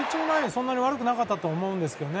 そんなに悪くなかったと思うんですけどね。